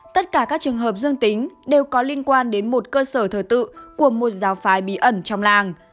tất cả các trường hợp dương tính đều có liên quan đến một cơ sở thờ tự của một giáo phái bí ẩn trong làng